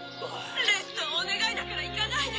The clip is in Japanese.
レットお願いだから行かないで。